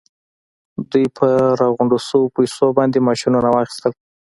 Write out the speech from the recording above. دوی په راغونډو شويو پیسو باندې ماشينونه واخيستل.